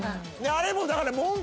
あれもだから。